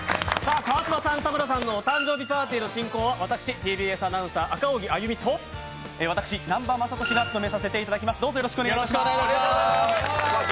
川島さん、田村さんのお誕生日パーティーの進行は私、ＴＢＳアナウンサー、赤荻歩と私、南波雅俊が務めさせていただきます。